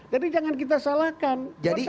jadi jangan kita salahkan